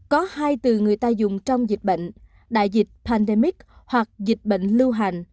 có hai từ người ta dùng trong dịch bệnh đại dịch pandemic hoặc dịch bệnh lưu hành